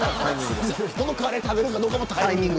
このカレーを食べるかどうかもタイミング。